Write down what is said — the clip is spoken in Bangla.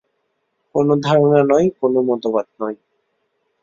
কোন ধারণা নয়, কোন মতবাদ নয়।